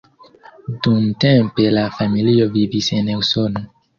Dumtempe la familio vivis en Usono.